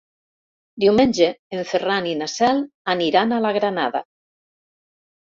Diumenge en Ferran i na Cel aniran a la Granada.